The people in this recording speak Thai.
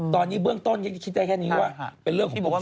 ตอนนี้เบื้องต้นยังคิดได้แค่นี้ว่าเป็นเรื่องของปกติ